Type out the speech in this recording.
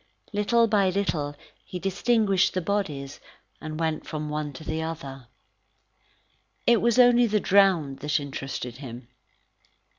Little by little he distinguished the bodies, and went from one to the other. It was only the drowned that interested him.